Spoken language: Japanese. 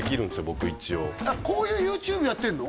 僕一応こういうＹｏｕＴｕｂｅやってんの？